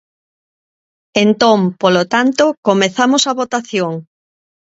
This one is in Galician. Entón, polo tanto, comezamos a votación.